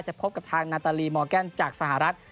พบกับทางนาตาลีมอร์แกนจากสหรัฐ